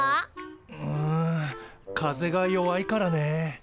うん風が弱いからね。